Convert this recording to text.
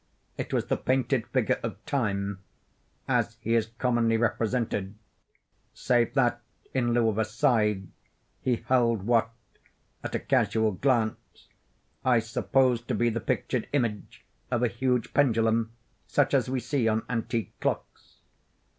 It was the painted figure of Time as he is commonly represented, save that, in lieu of a scythe, he held what, at a casual glance, I supposed to be the pictured image of a huge pendulum such as we see on antique clocks.